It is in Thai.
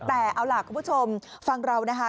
แต่เอาล่ะคุณผู้ชมฟังเรานะคะ